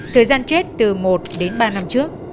thời gian chết từ một năm m đến một năm m